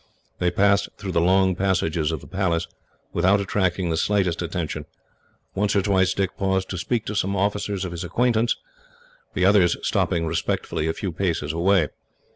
They passed through the long passages of the Palace, without attracting the slightest attention. Once or twice, Dick paused to speak to some officials of his acquaintance, the others stopping respectfully a few paces away.